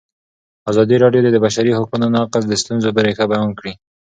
ازادي راډیو د د بشري حقونو نقض د ستونزو رېښه بیان کړې.